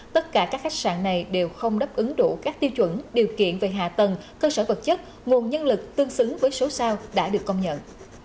tất cả các khách sạn này đều không đáp ứng đủ các tiêu chuẩn điều kiện về hạ tầng cơ sở vật chất nguồn nhân lực tương xứng với số sao đã được công nhận